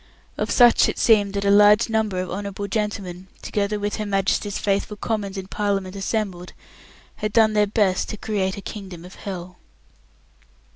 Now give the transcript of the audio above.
Of such it seemed that a large number of Honourable Gentlemen, together with Her Majesty's faithful commons in Parliament assembled, had done their best to create a Kingdom of Hell.